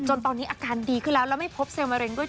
ตอนนี้อาการดีขึ้นแล้วแล้วไม่พบเซลลมะเร็งด้วย